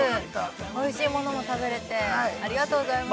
おいしいものも食べれて、ありがとうございます。